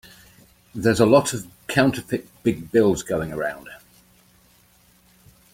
There's a lot of counterfeit big bills going around.